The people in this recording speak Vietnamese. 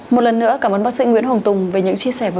một lần nữa cảm ơn bác sĩ nguyễn hồng tùng về những chia sẻ vừa